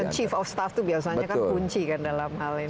chief of staff itu biasanya kan kunci kan dalam hal ini